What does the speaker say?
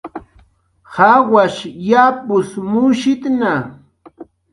Jawash japus mushitna